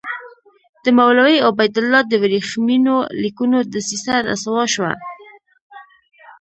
د مولوي عبیدالله د ورېښمینو لیکونو دسیسه رسوا شوه.